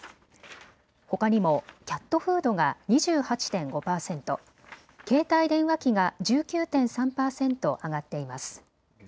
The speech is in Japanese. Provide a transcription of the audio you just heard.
ほかにもキャットフードが２８．５％、携帯電話機が１９．３％上がっています。